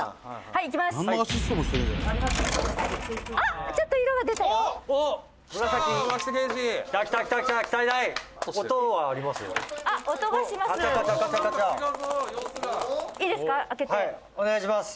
「はいお願いします」